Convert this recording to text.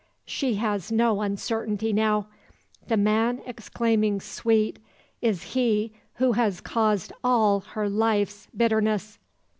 She has no uncertainty now. The man exclaiming sweet, is he who has caused all her life's bitterness.